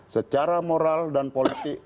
secara moral dan politik